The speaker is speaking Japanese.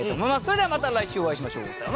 それではまた来週お会いしましょう。さようなら。